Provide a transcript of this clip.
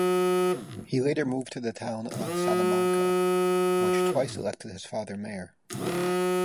He later moved to the town of Salamanca, which twice elected his father mayor.